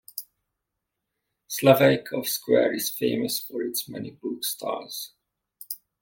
Slaveykov Square is famous for its many book stalls.